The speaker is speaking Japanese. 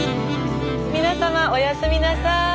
皆様おやすみなさい。